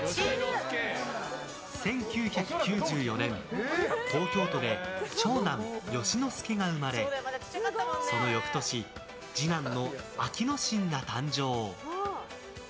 １９９４年、東京都で長男・佳之介が生まれその翌年、次男の暁之進が誕生。